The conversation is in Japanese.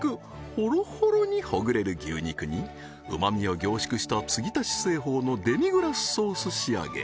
ほろほろにほぐれる牛肉にうまみを凝縮した継ぎ足し製法のデミグラスソース仕上げ